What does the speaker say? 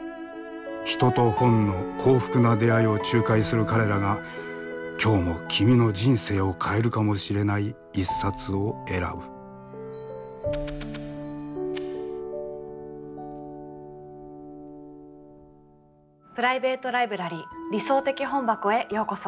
人と本の幸福な出会いを仲介する彼らが今日も君の人生を変えるかもしれない一冊を選ぶプライベート・ライブラリー「理想的本箱」へようこそ。